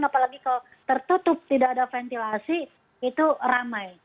apalagi kalau tertutup tidak ada ventilasi itu ramai